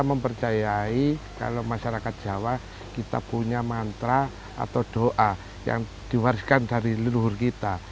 kita mempercayai kalau masyarakat jawa kita punya mantra atau doa yang diwariskan dari leluhur kita